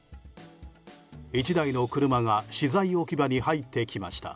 １台の車が資材置き場に入ってきました。